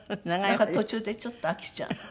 だから途中でちょっと飽きちゃうの。